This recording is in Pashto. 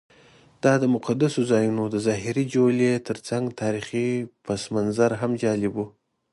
دا د مقدسو ځایونو د ظاهري جولې ترڅنګ تاریخي پسمنظر هم جالب و.